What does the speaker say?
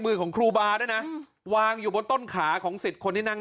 มือของครูบาด้วยนะวางอยู่บนต้นขาของสิทธิ์คนที่นั่ง